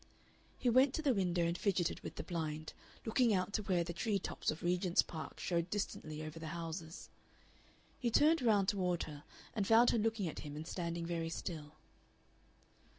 He went to the window and fidgeted with the blind, looking out to where the tree tops of Regent's Park showed distantly over the houses. He turned round toward her and found her looking at him and standing very still.